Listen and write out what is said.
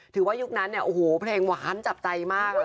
ถือว่ายุคนั้นเนี่ยโอ้โหเพลงหวานจับใจมาก